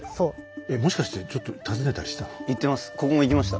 もしかしてちょっと訪ねたりした？